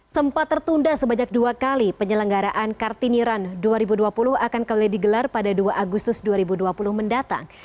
sempat tertunda sebanyak dua kali penyelenggaraan kartini run dua ribu dua puluh akan kembali digelar pada dua agustus dua ribu dua puluh mendatang